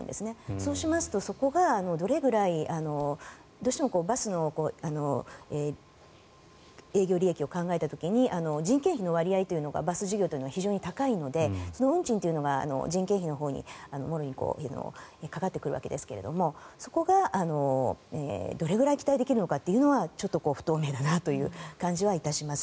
そうしますとそこがどれぐらいどうしてもバスの営業利益を考えた時に人件費の割合というのがバス事業は高いのでその運賃というのが人件費のほうにもろにかかってくるわけですがそこがどれぐらい期待できるのかというのはちょっと不透明だなという感じはいたします。